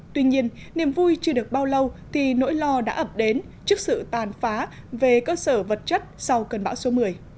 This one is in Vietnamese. tuy nhiên niềm vui chưa được bao lâu thì nỗi lo đã ập đến trước sự tàn phá về cơ sở vật chất sau cơn bão số một mươi